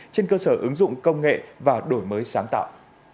trên cơ sở ứng dụng công nghệ và đổi mới sáng tạo